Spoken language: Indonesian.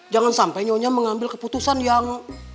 jangan sampai nyonya mengambil keputusan yang